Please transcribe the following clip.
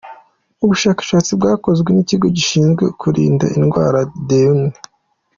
Ubushakashatsi bwakozwe n’ikigo gishinzwe kurinda indwara, The U.